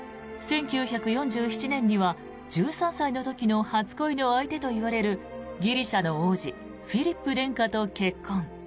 １９４７年には１３歳の時の初恋の相手といわれるギリシャの王子フィリップ殿下と結婚。